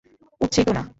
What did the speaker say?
উঠছেই তো না!